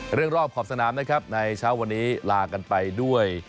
รอบขอบสนามนะครับในเช้าวันนี้ลากันไปด้วย